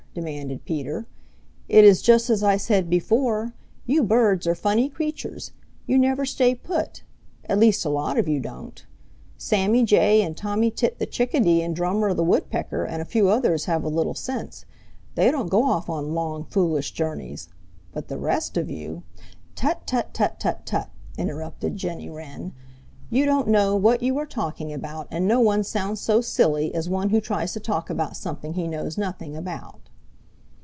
demanded Peter. "It is just as I said before you birds are funny creatures. You never stay put; at least a lot of you don't. Sammy Jay and Tommy Tit the Chickadee and Drummer the Woodpecker and a few others have a little sense; they don't go off on long, foolish journeys. But the rest of you " "Tut, tut, tut, tut, tut!" interrupted Jenny Wren. "You don't know what you are talking about, and no one sounds so silly as one who tries to talk about something he knows nothing about."